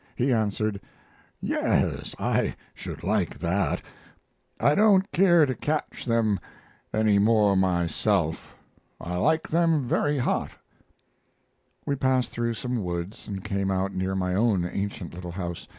He answered: "Yes, I should like that. I don't care to catch them any more myself. I like them very hot." We passed through some woods and came out near my own ancient little house.